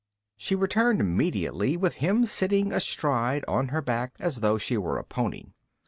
She returned immediately with him sitting astride on her back as though she were a pony.